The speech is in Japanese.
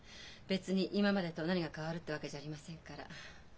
別に今までと何が変わるってわけじゃありませんから。